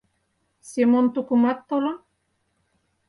Семон тукымат толын?